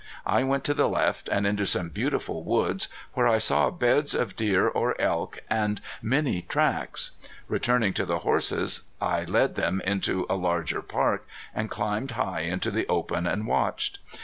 I went to the left, and into some beautiful woods, where I saw beds of deer or elk, and many tracks. Returning to the horses, I led them into a larger park, and climbed high into the open and watched.